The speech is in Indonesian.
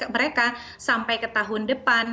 mereka sampai ke tahun depan